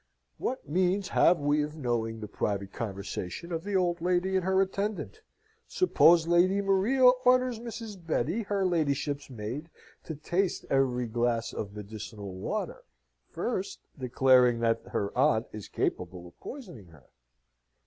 What means have we of knowing the private conversation of the old lady and her attendant? Suppose Lady Maria orders Mrs. Betty, her ladyship's maid, to taste every glass of medicinal water, first declaring that her aunt is capable of poisoning her?